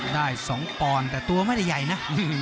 ได้๒ปอนด์แต่ตัวไม่ได้ใหญ่นะ